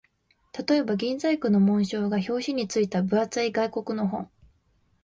例えば、銀細工の紋章が表紙に付いた分厚い外国の本